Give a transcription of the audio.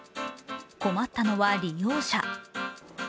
困ったのは利用者。